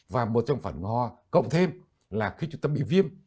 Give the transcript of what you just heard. và một trong phản ứng ho cộng thêm là khi chúng ta bị viêm